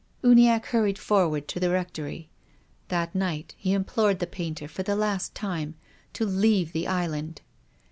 Uniacke hurried forward to the Rectory. That night he implored the painter for the last time to leave the island.